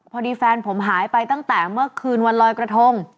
พอดีแฟนผมหายไปตั้งแต่เมื่อคืนวันลอยกระทง